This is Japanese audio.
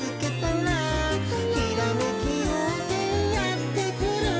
「ひらめきようせいやってくる」